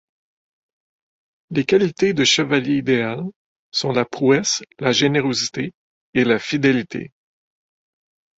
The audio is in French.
Les qualités de chevalier idéal sont la prouesse, la générosité et la fidélité.